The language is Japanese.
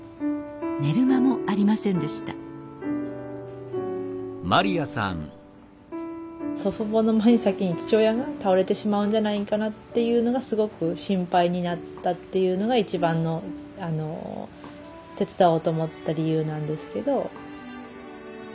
寝る間もありませんでした祖父母の前に先に父親が倒れてしまうんじゃないんかなっていうのがすごく心配になったっていうのが一番の手伝おうと思った理由なんですけど。